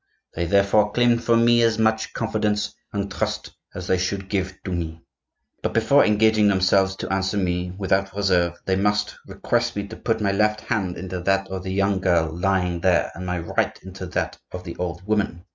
They therefore claimed from me as much confidence and trust as they should give to me. But before engaging themselves to answer me without reserve they must request me to put my left hand into that of the young girl lying there, and my right into that of the old woman.